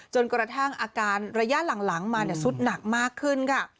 จนกระทั่งอาการระยะหลังมาสุดหนักมากขึ้นค่ะ